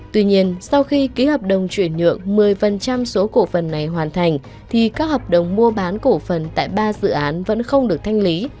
tuy nhiên sau khi ký hợp đồng chuyển nhượng một mươi số cổ phần này hoàn thành thì các hợp đồng mua bán cổ phần tại ba dự án vẫn không được thanh lý